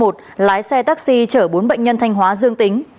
ghi trở bốn bệnh nhân thanh hóa dương tính